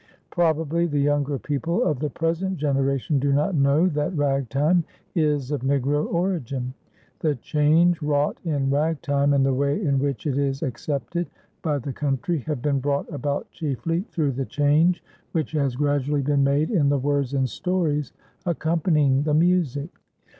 Probably the younger people of the present generation do not know that Ragtime is of Negro origin. The change wrought in Ragtime and the way in which it is accepted by the country have been brought about chiefly through the change which has gradually been made in the words and stories accompanying the music.